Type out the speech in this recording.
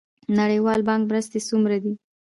د نړیوال بانک مرستې څومره دي؟